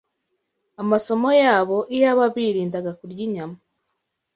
amasomo yabo iyaba birindaga kurya inyama